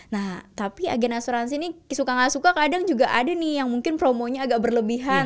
nah tapi agen asuransi ini suka gak suka kadang juga ada nih yang mungkin promonya agak berlebihan